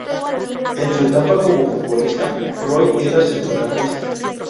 En su etapa como futbolista, Roy era centrocampista.